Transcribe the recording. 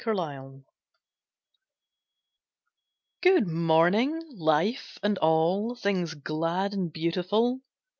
A GREETING Good morning, Life and all Things glad and beautiful.